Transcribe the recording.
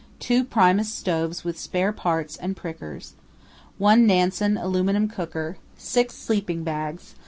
2 Primus stoves with spare parts and prickers. 1 Nansen aluminium cooker. 6 sleeping bags.